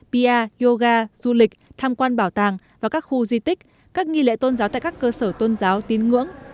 pia yoga du lịch tham quan bảo tàng và các khu di tích các nghi lễ tôn giáo tại các cơ sở tôn giáo tín ngưỡng